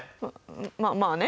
ままあね？